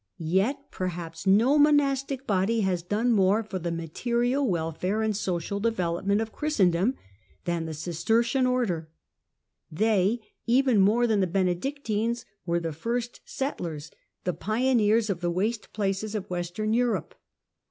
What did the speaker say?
Yet perhaps no monastic body has done more for the material welfare and social development of Christendom than the Cis tercian Order. They, even more than the Benedictines, were the " first settlers," the " pioneers " of the waste places of Western Europe.